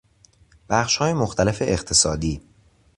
بخشهای مختلف اقتصادی